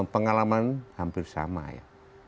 pengalaman hampir sama ya